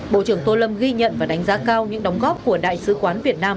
bộ trưởng tô lâm ghi nhận và đánh giá cao những đóng góp của đại sứ quán việt nam